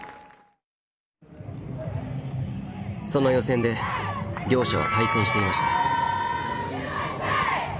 その予選で両者は対戦していました。